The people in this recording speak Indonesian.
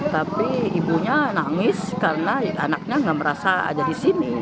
tapi ibunya nangis karena anaknya nggak merasa ada di sini